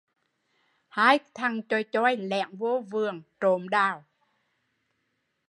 Hai thằng choài choai lẻn vô vườn trộm đào